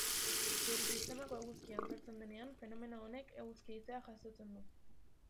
Geure sistemako eguzkian sortzen denean, fenomeno honek eguzki-haizea jasotzen du.